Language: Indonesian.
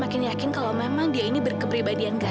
bahkan saya juga gak ada bapak